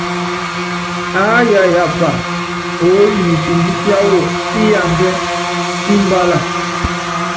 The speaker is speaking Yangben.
Aa yayapá oolo niinsumbi siáwɔ síaadiɛ́ kímabala.